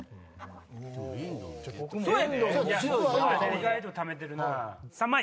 意外とためてるな。